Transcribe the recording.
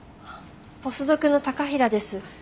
ポスドクの高平です。